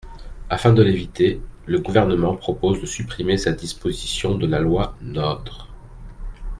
Afin de l’éviter, le Gouvernement propose de supprimer cette disposition de la loi NOTRe.